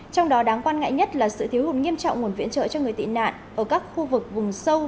trong đó đáng quan ngại nhất là sự thiếu hụt nghiêm trọng nguồn viện trợ cho người tị nạn ở các khu vực vùng sâu